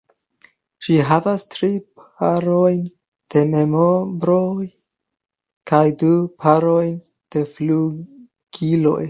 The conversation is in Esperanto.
Ĝi havas tri parojn de membroj kaj du parojn de flugiloj.